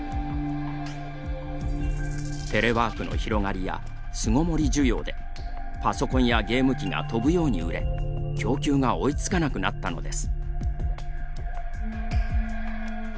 テレワークの広がりや巣ごもり需要で、パソコンやゲーム機が飛ぶように売れ供給が追いつかなくなったのです。